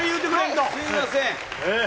すみません。